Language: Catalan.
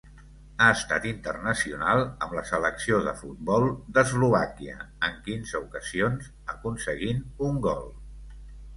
Ha estat internacional amb la Selecció de futbol d'Eslovàquia en quinze ocasions, aconseguint un gol.